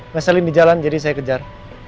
ngeselin di jalan jadi saya kejar